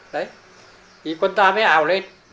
đấy thì quân ta mới ảo lên